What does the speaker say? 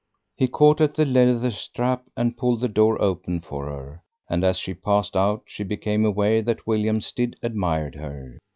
He caught at the leather strap and pulled the door open for her, and as she passed out she became aware that William still admired her.